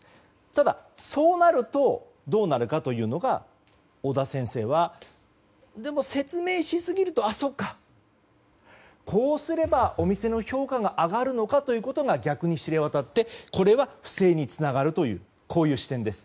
ただ、そうなるとどうなるかというのが小田先生は、でも説明しすぎるとこうすれば、お店の評価が上がるのかということが逆に知れ渡って、これは不正につながるという視点です。